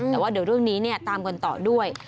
แต่ว่าเดี๋ยวเรื่องนี้ตามกันต่อด้วย